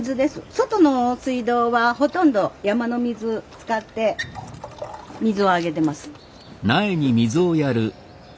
外の水道はほとんど山の水使って水をあげてます。